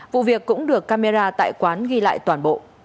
vụ việc cũng được camera tại quán ghi lại toàn bộ